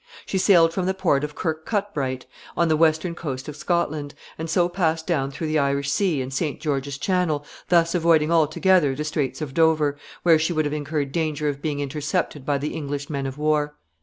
She sailed from the port of Kirkcudbright, on the western coast of Scotland, and so passed down through the Irish Sea and St. George's Channel, thus avoiding altogether the Straits of Dover, where she would have incurred danger of being intercepted by the English men of war.